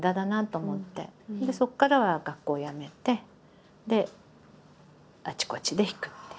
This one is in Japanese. そこからは学校をやめてであちこちで弾く。